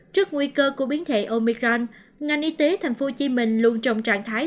trước nguy cơ của biến thể omicran ngành y tế tp hcm luôn trong trạng thái